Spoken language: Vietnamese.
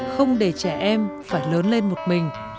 không để trẻ em phải lớn lên một mình